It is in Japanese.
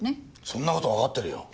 そんな事はわかってるよ。